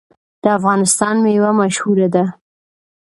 د افغانستان میوه مشهوره ده.